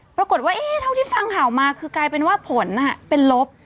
ปรากฏว่าเท่าที่ฟังข่าวมาคือกลายเป็นว่าผลเป็นลบ